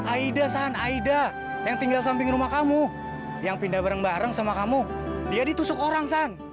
aida saan aida yang tinggal samping rumah kamu yang pindah bareng bareng sama kamu dia ditusuk orang saan